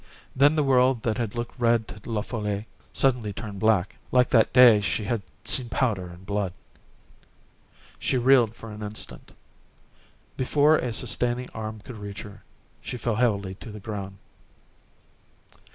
Then the world that had looked red to La Folle suddenly turned black,—like that day she had seen powder and blood. She reeled for an instant. Before a sustaining arm could reach her, she fell heavily to the ground.